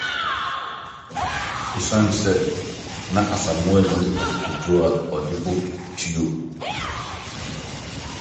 Esiane sɛ na Asamoah nni akokoduru a ɔde bo tuo.